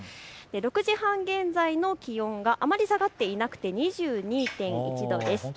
６時半現在の気温があまり下がっていなくて２２．１度です。